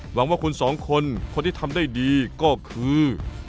หวังว่าคุณสองคนคนที่ทำได้ดีก็คือ